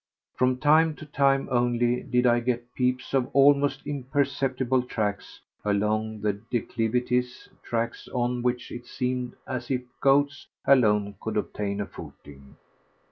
From time to time only did I get peeps of almost imperceptible tracks along the declivities, tracks on which it seemed as if goats alone could obtain a footing.